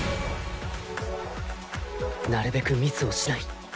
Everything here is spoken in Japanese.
なるべくミスをしない。